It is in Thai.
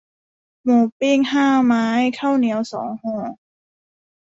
หมูปิ้งห้าไม้ ข้าวเหนียวสองห่อ